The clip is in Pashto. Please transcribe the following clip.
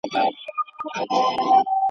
پر غوږونو ښې لګېږي او خوږې دي.